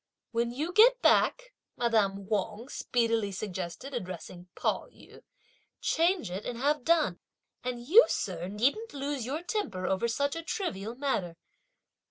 "When you get back," madame Wang speedily suggested addressing Pao yü, "change it and have done; and you, sir, needn't lose your temper over such a trivial matter!"